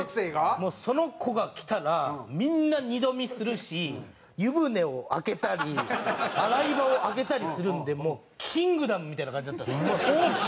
もうその子が来たらみんな二度見するし湯船を開けたり洗い場を開けたりするんでもう『キングダム』みたいな感じだったんですよ。